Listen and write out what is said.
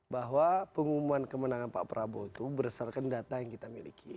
bahwa pengumuman kemenangan pak prabowo itu berdasarkan data yang kita miliki